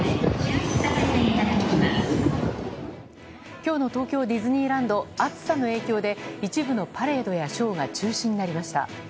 今日の東京ディズニーランド暑さの影響で一部のパレードやショーが中止になりました。